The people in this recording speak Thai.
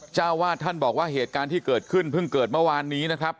เจ้าวาดท่านบอกว่าเหตุการณ์ที่เกิดขึ้นเพิ่งเกิดเมื่อวานนี้นะครับ